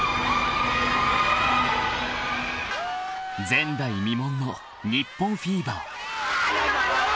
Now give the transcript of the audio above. ［前代未聞の日本フィーバー］